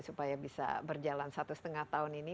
supaya bisa berjalan satu setengah tahun ini